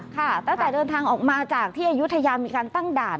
ค่ะตั้งแต่เดินทางออกมาจากที่อายุทยามีการตั้งด่าน